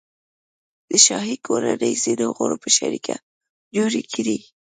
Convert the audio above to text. د شاهي کورنۍ ځینو غړو په شریکه جوړې کړي.